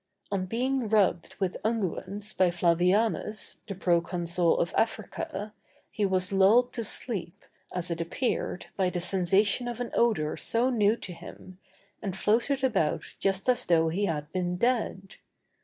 On being rubbed with unguents by Flavianus, the proconsul of Africa, he was lulled to sleep, as it appeared, by the sensation of an odor so new to him, and floated about just as though he had been dead.